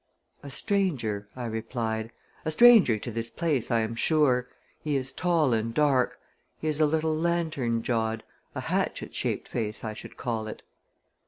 "A stranger," I replied; "a stranger to this place, I am sure. He is tall and dark; he is a little lantern jawed a hatchet shaped face, I should call it."